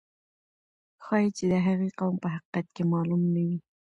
ښایي چې د هغې قوم په حقیقت کې معلوم نه وي.